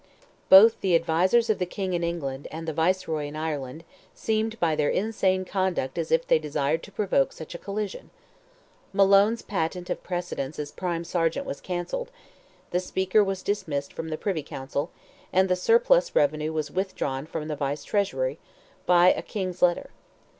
Both the advisers of the King in England, and the Viceroy in Ireland, seemed by their insane conduct as if they desired to provoke such a collision. Malone's patent of precedence as Prime Sergeant was cancelled; the speaker was dismissed from the Privy Council, and the surplus revenue was withdrawn from the Vice Treasurer, by a King's letter.